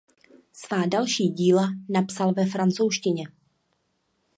Svá další díla napsal ve francouzštině.